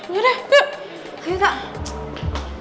yaudah yuk ayo tata